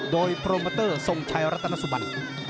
โดยโปรเมอร์เตอร์ส่งชายรัฐนโสบัน